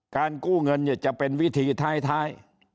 การกู้เงินเนี่ยจะเป็นวิธีท้าย